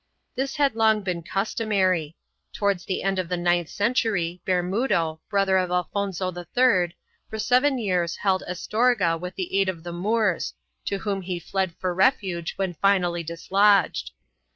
2 This had long been customary. Towards the end of the ninth century, Bermudo, > brother of Alfonso III, for seven years held Astorga with the aid of the Moors, to whom he fled for refuge when finally dislodged.